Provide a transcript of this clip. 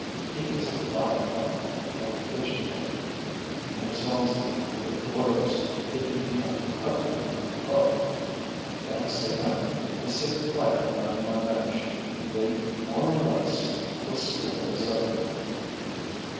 He is a fine fellow, my pigeon friend: he consoles me for the woes hidden behind the cover of my book. Thanks to him, I sit quietly on my bench and wait more or less till school is over.